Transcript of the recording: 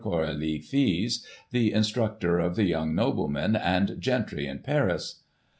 Coralli, filsy the instructor of the yoimg noble men and gentry in Paris.